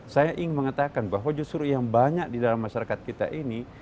saya ingin mengatakan bahwa justru yang banyak di dalam masyarakat kita ini